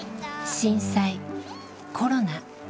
震災コロナ。